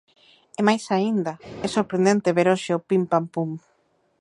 E máis aínda, é sorprendente ver hoxe o pim, pam, pum.